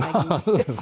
そうですか？